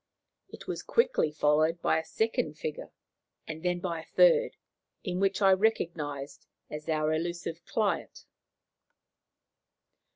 It was quickly followed by a second figure, and then by a third, in which I recognized our elusive client.